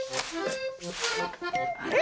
あれ⁉